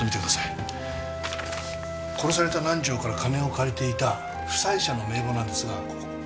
殺された南条から金を借りていた負債者の名簿なんですがここ。